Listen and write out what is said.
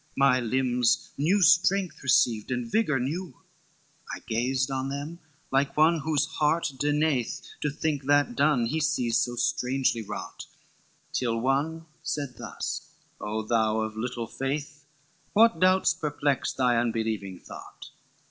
My limbs new strength received, and vigor new. XXIX "I gazed on them like one whose heart denieth To think that done, he sees so strangely wrought; Till one said thus, 'O thou of little faith, What doubts perplex thy unbelieving thought?